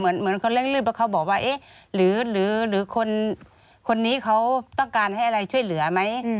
เหมือนคนเร่งรีบเพราะเขาบอกว่าเอ๊ะหรือคนนี้เขาต้องการให้อะไรช่วยเหลือไหม